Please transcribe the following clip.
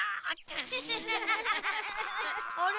あれ？